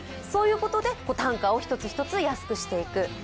そういうことで、単価を一つ一つ安くしていく。